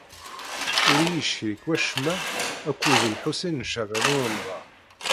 Ur iyi-yecrik wacemma akked Lḥusin n Caɛban u Ṛemḍan.